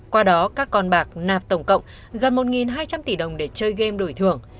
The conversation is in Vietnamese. qua đó các con bạc nạp tổng cộng gần một hai trăm linh tỷ đồng để chơi game đổi thưởng